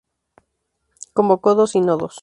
Convocó dos Sínodos.